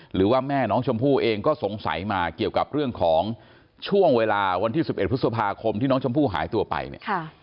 หรือว่าแม่น้องชมพู่เองก็สงสัยมาเกี่ยวกับเรื่องของช่วงเวลาวันที่๑๑พฤษภาคมที่น้องชมพู่หายตัวไปเนี่ย